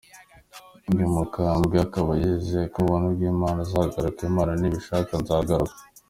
Uyu mukambwe akaba yizeye ko ku buntu bw’Imana azagaruka “Imana n’ibishaka, Nzagaruka”.